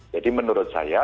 jadi menurut saya